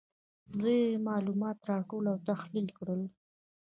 دوی معلومات راټول او تحلیل کړل.